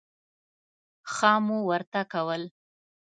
ښه مو ورته کول.